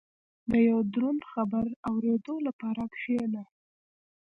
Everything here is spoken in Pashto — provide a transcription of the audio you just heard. • د یو دروند خبر اورېدو لپاره کښېنه.